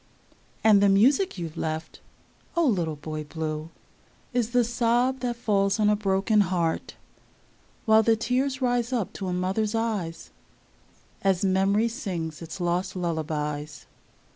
And the music you've left, O Little Boy Blue, Is the sob that falls on a broken heart, While the tears rise up to a mother's eyes As memory sings its lost lullabies.